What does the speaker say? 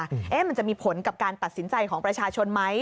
ว่ามันจะมีผลกับการตัดสินใจของประชาชนไหม